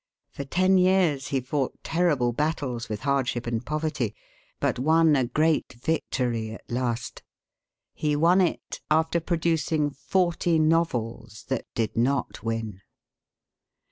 For ten years he fought terrible battles with hardship and poverty, but won a great victory at last. He won it after producing forty novels that did not win.